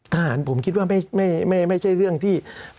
ทหารผมคิดว่าไม่ใช่เรื่องที่